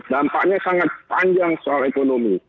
dampaknya sangat panjang soal ekonomi